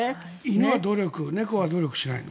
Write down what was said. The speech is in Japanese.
犬は努力猫は努力しない。